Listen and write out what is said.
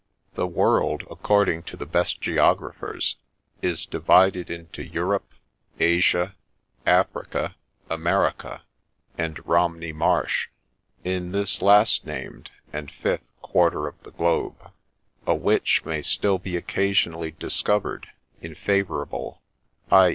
The World, according to the best geographers, is divided into Europe, Asia, Africa, America, and Romney Marsh. In this last named, and fifth, quarter of the globe, a Witch may still be occasionally discovered in favourable, i.